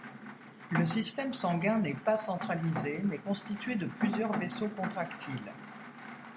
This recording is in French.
Le système sanguin n'est pas centralisé mais constitué de plusieurs vaisseaux contractiles.